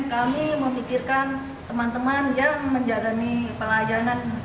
kami memikirkan teman teman yang menjalani pelayanan